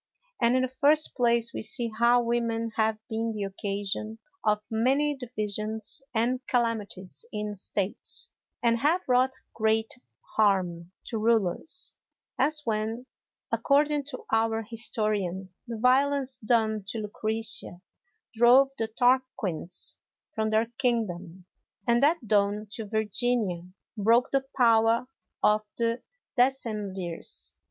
And in the first place we see how women have been the occasion of many divisions and calamities in States, and have wrought great harm to rulers; as when, according to our historian, the violence done to Lucretia drove the Tarquins from their kingdom, and that done to Virginia broke the power of the decemvirs.